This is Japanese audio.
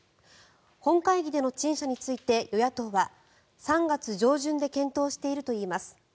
本会議での陳謝について与野党は３月上旬で検討しているといいます。